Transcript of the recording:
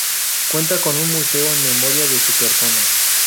Cuenta con un museo en memoria de su persona.